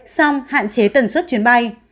xong hạn chế tần suất chuyến bay